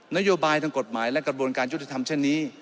นโยบายทางกฎหมายและกระบวนการยุติธรรมเช่นนี้